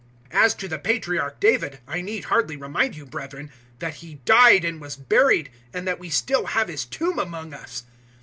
002:029 "As to the patriarch David, I need hardly remind you, brethren, that he died and was buried, and that we still have his tomb among us.